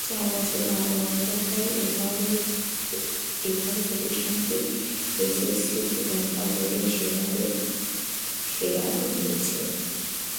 চার বছরের ধারাবাহিকতায় এবারও প্রতিষ্ঠানটি এইচএসসিতে ঢাকা বোর্ডে সেরাদের সেরা হয়েছে।